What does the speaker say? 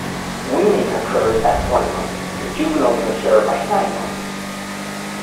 Weaning occurs at one month, and juveniles mature by nine months.